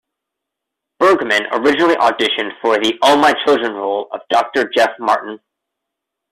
Bergman originally auditioned for the "All My Children" role of Doctor Jeff Martin.